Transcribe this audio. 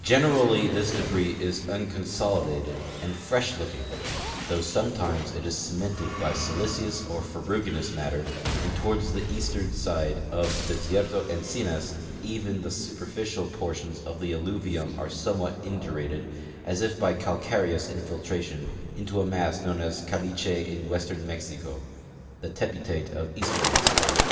Generally this debris is unconsoli dated and fresh looking, though sometimes it is cemented by siliceous or ferruginous matter, and toward the eastern side of Desierto Encinas even the superficial portions of the alluvium are somewhat indurated, as if by calcareous infiltration, into a mass known as caliche in western Mexico (the tepitate of eastern INIexico).